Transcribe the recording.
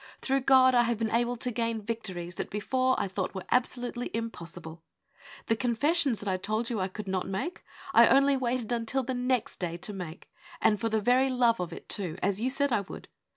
Through God I have been able to gain victories that before I thought were absolutely impossible. The confessions that I told you I could not make, I only waited until the next day to make, and for the very love of it too, as you said I would.